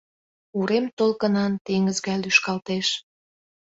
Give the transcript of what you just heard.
Урем толкынан теҥыз гай лӱшкалтеш.